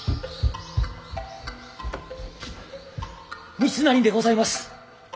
三成でございます。